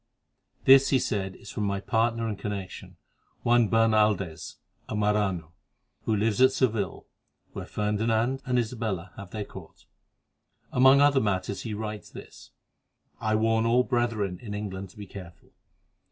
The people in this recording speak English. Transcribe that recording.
"This," he said, "is from my partner and connection, Juan Bernaldez, a Marano, who lives at Seville, where Ferdinand and Isabella have their court. Among other matters he writes this: 'I warn all brethren in England to be careful.